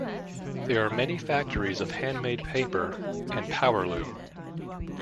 There are many factories of Handmade paper.. and powerloo.